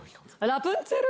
ラプンツェル！